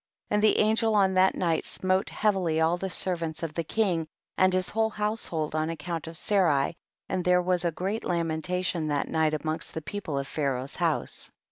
25. And the angel on that night smote heavily all the servants of the king, and his whole household, on account of Sarai, and there was a great lamentation that night amongst the people of Pharaoh's house.